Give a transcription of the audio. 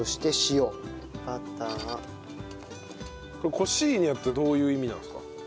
コシーニャってどういう意味なんですか？